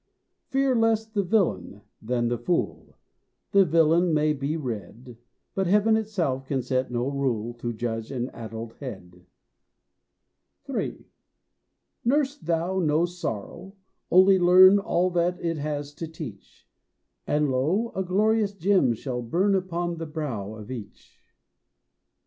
Fear less the villain than the fool. The villain may be read, But heaven itself can set no rule To judge an addled head. III. Nurse thou no sorrow, only learn All that it has to teach, And lo, a glorious gem shall burn Upon the brow of each.